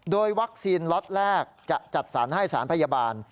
โดยวัคซีนล็อตแรกจะจัดสรรให้สารพยาบาล